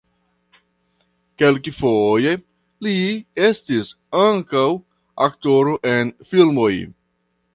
Kelkfoje li estis ankaŭ aktoro en filmoj.